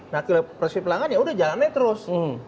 nah kalau proteksi pelanggan yaudah jalannya terus